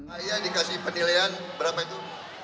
ayah dikasih penilaian berapa itu